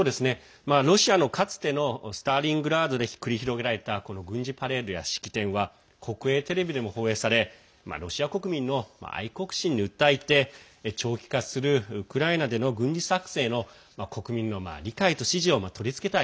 ロシアのかつてのスターリングラードで繰り広げられたこの軍事パレードや式典は国営テレビでも放映されロシア国民の愛国心に訴えて長期化するウクライナでの軍事作戦への国民の理解と支持を取り付けたい。